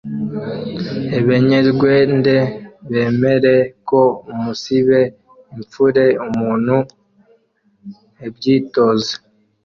Ebenyerwende bemere ko umunsibe imfure umuntu ebyitoze